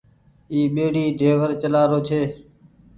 اي ٻيڙي ڊيور چلآ رو ڇي۔